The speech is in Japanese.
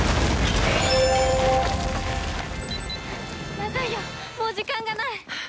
まずいよもう時間がない！